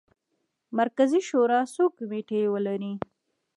مرکزي شورا څو کمیټې ولري.